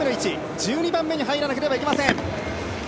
１２番目に入らなければいけません。